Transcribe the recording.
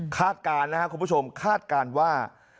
การนะครับคุณผู้ชมคาดการณ์ว่า